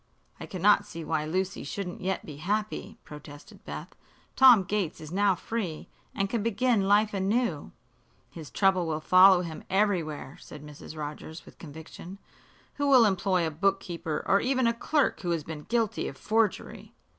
"I cannot see why Lucy shouldn't yet be happy," protested Beth. "Tom Gates is now free, and can begin life anew." "His trouble will follow him everywhere," said Mrs. Rogers, with conviction. "Who will employ a bookkeeper, or even a clerk who has been guilty of forgery?"